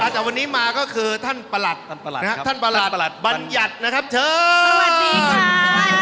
อาจาวนี้มาก็คือท่านประหลัดท่านประหลัดบัญญัตน์นะครับเชิญ